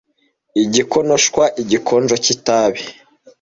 igikonoshwa igikonjo cy'itabi